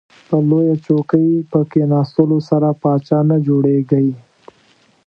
په لویه چوکۍ په کیناستلو سره پاچا نه جوړیږئ.